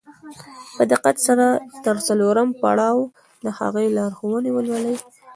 په دقت سره تر څلورم پړاوه د هغې لارښوونې ولولئ.